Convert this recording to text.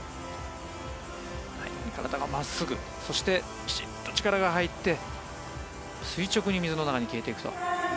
体が真っすぐそしてきちんと力が入って垂直に水の中に消えていくと。